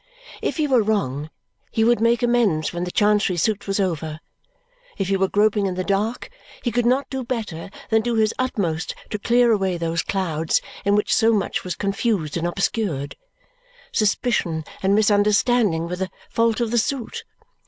If he were wrong, he would make amends when the Chancery suit was over. If he were groping in the dark, he could not do better than do his utmost to clear away those clouds in which so much was confused and obscured. Suspicion and misunderstanding were the fault of the suit?